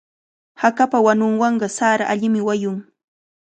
Hakapa wanunwanqa sara allimi wayun.